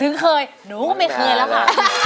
เคยหนูก็ไม่เคยแล้วค่ะ